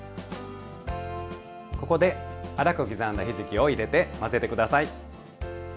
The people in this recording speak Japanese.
ここで粗く刻んだひじきを入れて混ぜて下さい。